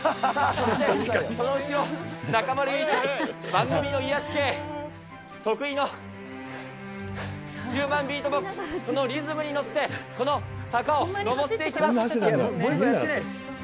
さあ、そしてその後ろ、中丸雄一、番組の癒やし系、得意のヒューマンビートボックス、そのリズムに乗って、この坂を上ボイパやってないです。